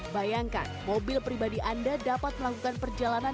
bayangkan mobil pribadi anda dapat melakukan perjalanan